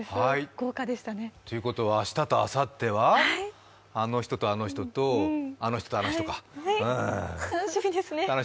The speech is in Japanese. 豪華でしたね。ということは明日とあさってはあの人とあの人とあの人とあの人か。